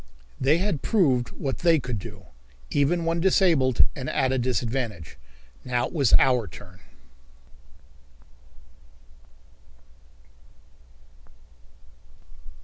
They had proved what they could do, even when disabled and at a disadvantage. Now it was our turn.